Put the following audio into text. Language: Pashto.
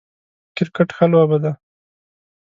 کرکټ ښه لوبه ده